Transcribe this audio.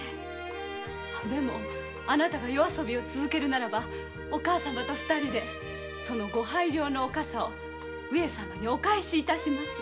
でもあなたが夜遊びを続けたならばお母様と二人でその御拝領のおかさを上様にお返し致します。